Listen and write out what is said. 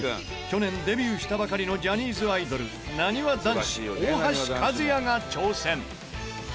去年デビューしたばかりのジャニーズアイドルなにわ男子大橋和也が挑戦。